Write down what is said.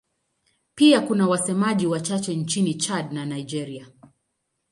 Pia kuna wasemaji wachache nchini Chad na Nigeria.